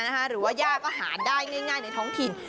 หรือว่ายากอาหารได้ง่ายในท้องถิ่น